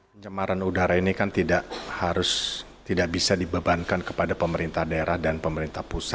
pencemaran udara ini kan tidak harus tidak bisa dibebankan kepada pemerintah daerah dan pemerintah pusat